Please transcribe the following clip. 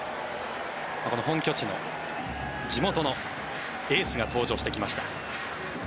本拠地の地元のエースが登場してきました。